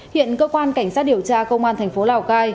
hiện cơ quan cảnh sát điều tra công an thành phố lào cai